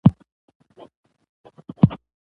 بادام د افغانستان د صنعت لپاره ګټور مواد برابروي.